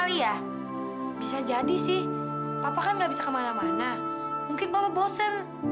semoga harusnya kita ke rahasia abai